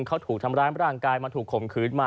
เขาถูกทำร้ายมาต้องรังกายไปถูกข่มขืดมา